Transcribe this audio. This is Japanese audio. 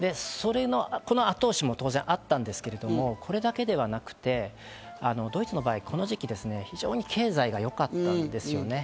この後押しも当然あったんですけど、これだけではなくてドイツの場合、この時期、非常に経済がよかったんですよね。